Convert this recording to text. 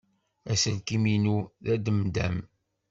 Aselkim-inu d ademdam.